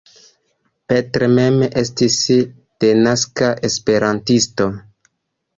Petr mem estis denaska esperantisto.